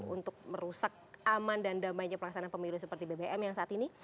untuk merusak aman dan damainya pelaksanaan pemilu seperti bbm yang saat ini